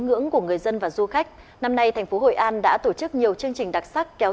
ngưỡng của người dân và du khách năm nay thành phố hội an đã tổ chức nhiều chương trình đặc sắc kéo